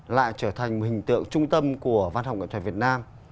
lại trở thành hình tượng trung tâm của văn học nghệ thuật việt nam